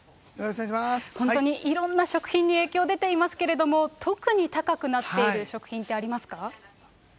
本当にいろんな食品に影響出ていますけれども、特に高くなっている食品ってありますか。